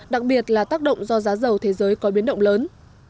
đặc biệt là tác động do giá dầu thế giới có biến động lớn